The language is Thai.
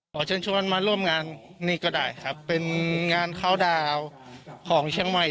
ขอเชิญชวนมาร่วมงานนี่ก็ได้ครับเป็นงานเข้าดาวน์ของเชียงใหม่